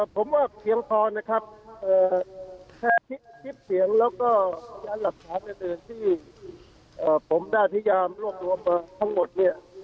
ผมว่าเพียงพอนะครับแค่ทิกเสียงและก็รักษาเดียวที่ผมพยายามแล้วทั้งหมดเนี้ย